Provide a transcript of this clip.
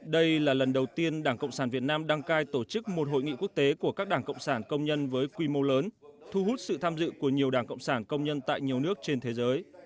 đây là lần đầu tiên đảng cộng sản việt nam đăng cai tổ chức một hội nghị quốc tế của các đảng cộng sản công nhân với quy mô lớn thu hút sự tham dự của nhiều đảng cộng sản công nhân tại nhiều nước trên thế giới